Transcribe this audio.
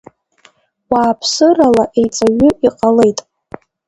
Уааԥсырала еиҵаҩҩы иҟалеит.